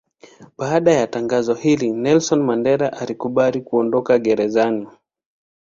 Baada ya tangazo hili Nelson Mandela alikubali kuondoka gerezani.